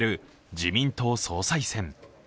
自民党総裁選。